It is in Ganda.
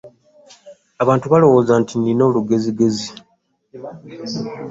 Abantu balowooza nti nnina olugezigezi.